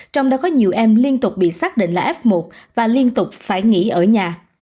trong đó có nhiều em liên tục bị xác định là f một và liên tục phải nghỉ ở nhà